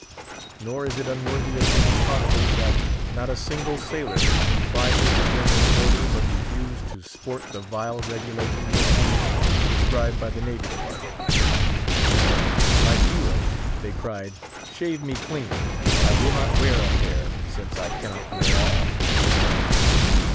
Nor is it unworthy of being chronicled, that not a single sailor who complied with the general order but refused to sport the vile regulation whiskers prescribed by the Navy Department. No! like heroes they cried, "Shave me clean! I will not wear a hair, since I cannot wear all!"